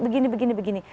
begini begini begini